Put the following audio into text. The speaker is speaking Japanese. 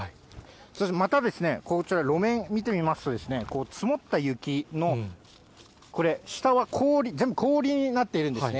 また、こちら路面見てみますと、積もった雪のこれ、下は氷、全部氷になっているんですね。